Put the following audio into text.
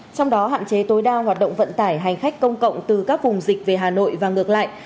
trong đó hạn chế tối đa hoạt động vận tải hành khách công cộng từ các vùng dịch về hà nội và ngược lại